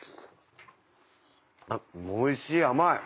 あっおいしい甘い。